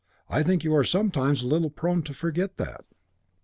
I think you are sometimes a little prone to forget that.